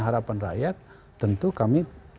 harapan rakyat tentu kami